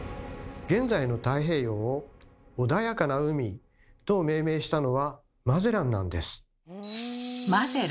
現在の「太平洋」を「穏やかな海」と命名したのはマゼランなんです。